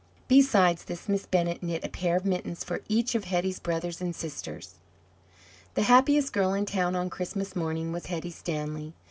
Besides this, Miss Bennett knit a pair of mittens for each of Hetty's brothers and sisters. The happiest girl in town on Christmas morning was Hetty Stanley.